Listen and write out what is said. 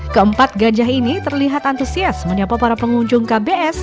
keempat gajah ini terlihat antusias menyapa para pengunjung kbs